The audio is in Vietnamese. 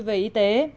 về y tế